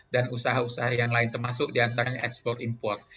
dan usaha usaha yang lain termasuk diantaranya ekspor impor